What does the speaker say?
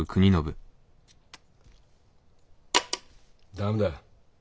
駄目だ。